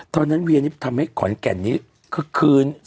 ตอนนั้นเวียนิปทำให้ขอนแก่นนี้ก็คืน